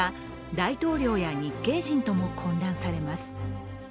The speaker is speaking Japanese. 大統領や日系人とも懇談されます。